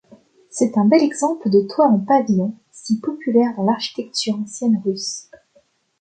C'est un bel exemple de toit en pavillon, si populaire dans l'architecture ancienne russe.